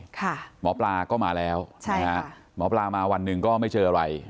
หมอปลาก็มาแล้วใช่ฮะหมอปลามาวันหนึ่งก็ไม่เจออะไร